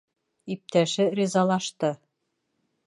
Иптәше ризалашты.